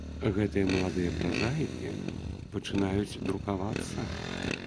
Гэтыя маладыя празаікі пачынаюць друкавацца.